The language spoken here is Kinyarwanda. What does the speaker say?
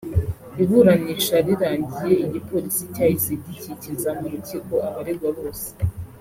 Iburanisha rirangiye igipolisi cyahise gikikiza mu rukiko abaregwa bose